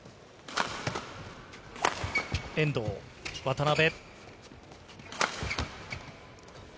遠藤・渡辺。